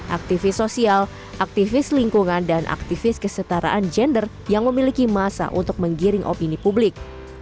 aktivis sosial aktivis lingkungan dan aktivis kesetaraan gender yang memiliki masa untuk menggiring opini publik